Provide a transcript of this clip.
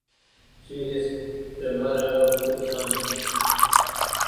She is the mother of two sons.